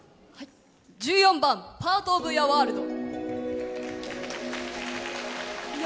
１４番「パート・オブ・ユア・ワールド」。